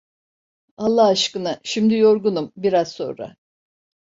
Allah aşkına, şimdi yorgunum, biraz sonra!